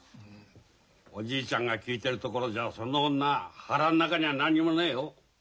おじいちゃんが聞いてるところじゃその女腹ん中には何にもねえよ。